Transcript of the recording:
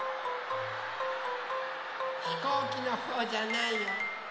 ひこうきのほうじゃないよ。